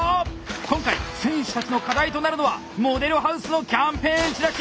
今回選手たちの課題となるのはモデルハウスのキャンぺーンチラシ！